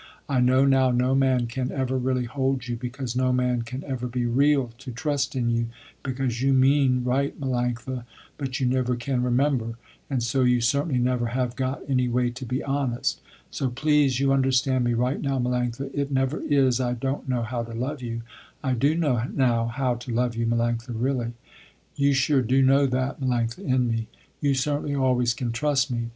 I know now no man can ever really hold you because no man can ever be real to trust in you, because you mean right Melanctha, but you never can remember, and so you certainly never have got any way to be honest. So please you understand me right now Melanctha, it never is I don't know how to love you. I do know now how to love you, Melanctha, really. You sure do know that, Melanctha, in me. You certainly always can trust me.